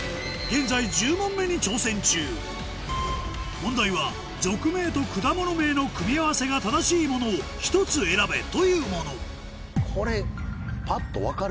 現在１０問目に挑戦中問題は属名と果物名の組み合わせが正しいものを１つ選べというもの